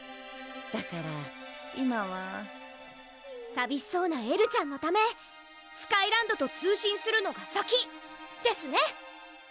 だから今はさびしそうなエルちゃんのためスカイランドと通信するのが先ですね！